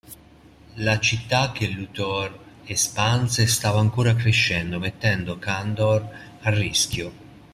La città che Luthor espanse stava ancora crescendo, mettendo Kandor a rischio.